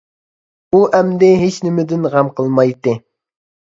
ئۇ ئەمدى ھېچ نېمىدىن غەم قىلمايتتى.